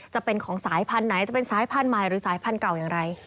จะเป็นของสายพันธุ์ไหนจะเป็นสายพันธุ์ใหม่หรือสายพันธุ์เก่าอย่างไร